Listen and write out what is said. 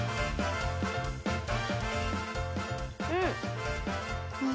うん。